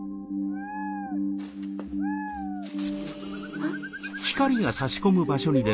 あっ。